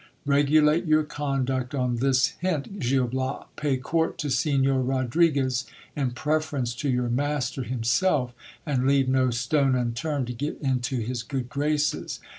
Regulate your conduct on this hiit, Gil Bias ; pay court to Signor Rodriguez in preference to your master himself, and leave no stone unturned to get into his good graces.